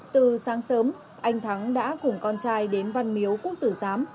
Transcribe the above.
từ sáng sớm anh thắng đã cùng con trai đến văn miếu quốc tử giám